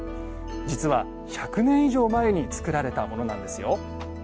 実は１００年以上前に作られたものなんですよ。